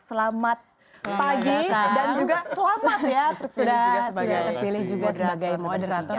selamat pagi dan juga selamat ya sudah terpilih juga sebagai moderator